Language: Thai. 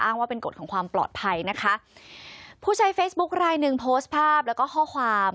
ว่าเป็นกฎของความปลอดภัยนะคะผู้ใช้เฟซบุ๊คลายหนึ่งโพสต์ภาพแล้วก็ข้อความ